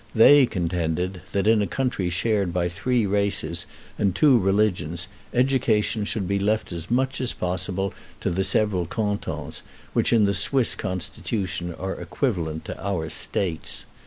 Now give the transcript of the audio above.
They contended that in a country shared by three races and two religions education should be left as much as possible to the several cantons, which in the Swiss constitution are equivalent to our States.